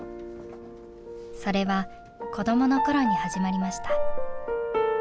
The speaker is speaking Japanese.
それは子どもの頃に始まりました。